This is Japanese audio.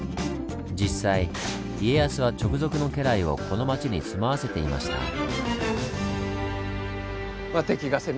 実際家康は直属の家来をこの町に住まわせていました。